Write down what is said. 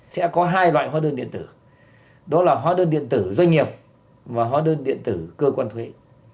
sẽ có hai loại hóa đơn điện tử đó là hóa đơn điện tử doanh nghiệp và hóa đơn điện tử cơ quan thuế